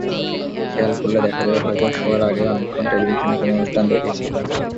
খেয়াল করলে দেখা যাবে, হয়তো শোয়ার আগে অনেকক্ষণ টেলিভিশনে কোনো অনুষ্ঠান দেখেছি।